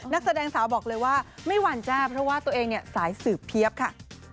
นักแสดงสาวบอกเลยว่าไม่หวั่นจ้าเพราะว่าตัวเองเนี่ยสายสืบเพียบค่ะ